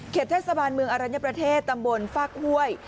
เทศบาลเมืองอรัญญประเทศตำบลฟากห้วย